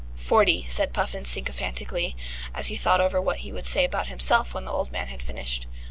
'" "Forty," said Puffin sycophantically, as he thought over what he would say about himself when the old man had finished.